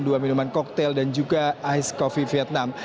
dua minuman koktel dan juga iced coffee vietnam